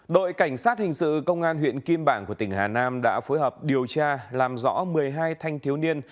đội cảnh sát hình sự công an huyện kim bảng của tỉnh hà nam đã phối hợp điều tra làm rõ một mươi hai thanh thiếu niên